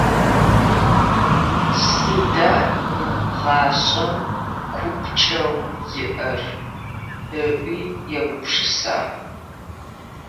Сыда мы гъашӀэм купкӀэу иӀэр?- ыӀуи егупшысагъ.